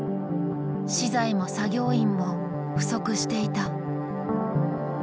資材も作業員も不足していた。